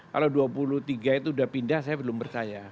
kalau dua puluh tiga itu sudah pindah saya belum percaya